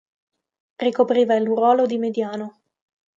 Ricopriva il ruolo di mediano.